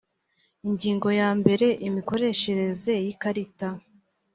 ingingo ya mbere imikoreshereze y ikarita